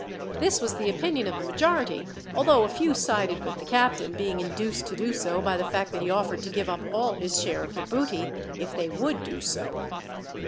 This was the opinion of the majority, although a few sided with the captain, being induced to do so by the fact that he offered to give up all his share of the booty, if they would do so.